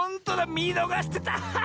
みのがしてた！